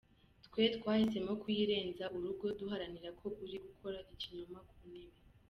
Twe twahisemo kuyirenza urugo duharanira ko ukuri gukura ikinyoma ku ntebe.